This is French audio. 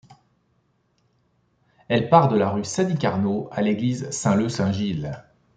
Elle part de la rue Sadi-Carnot, à l'église Saint-Leu-Saint-Gilles.